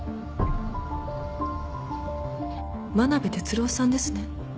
真鍋哲郎さんですね。